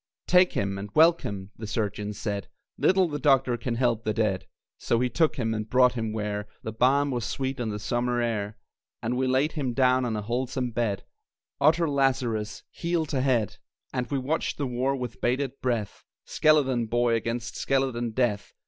"Take him and welcome!" the surgeons said, "Little the doctor can help the dead!" So we took him and brought him where The balm was sweet on the summer air; And we laid him down on a wholesome bed Utter Lazarus, heel to head! And we watched the war with bated breath Skeleton Boy against skeleton Death.